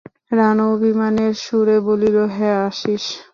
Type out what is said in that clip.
রানু অভিমানের সুরে বলিল, হ্যাঁ আসিস।